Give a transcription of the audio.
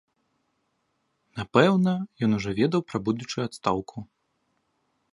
Напэўна, ён ужо ведаў пра будучую адстаўку.